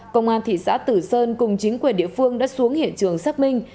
công an thị xã tử sơn cùng chính quyền địa phương đã xuống hiện trường xác minh